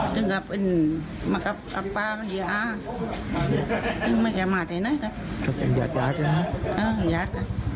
จะกรับวินมากับบ้านเรียก